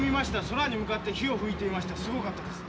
空に向かって火を噴いていましたすごかったです。